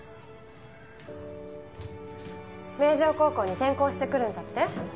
明城高校に転校してくるんだって？